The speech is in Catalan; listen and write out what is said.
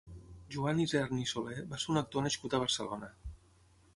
Joan Isern i Solé va ser un actor nascut a Barcelona.